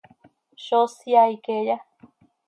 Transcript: ¿Zó syaai queeya?